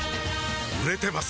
売れてます